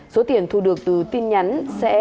số tiền thu được từ tin nhắn sẽ